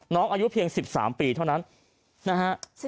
อายุเพียง๑๓ปีเท่านั้นนะฮะ